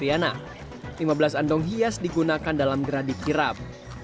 lima belas andong hias digunakan dalam geradi kirap